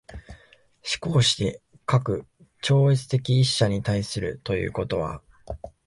而して、かく超越的一者に対するということは、